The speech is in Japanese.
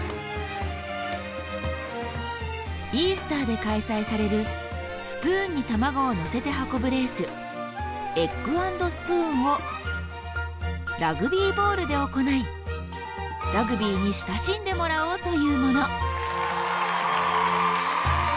イースターで開催されるスプーンに卵をのせて運ぶレースエッグ＆スプーンをラグビーボールで行いラグビーに親しんでもらおうというもの。